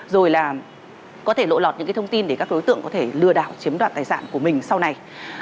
rồi là có thể lộ lọt những thông tin để các đối tượng có thể lừa đảo chiếm đoạt tài sản của mình sau này